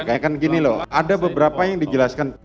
kayak kan gini loh ada beberapa yang dijelaskan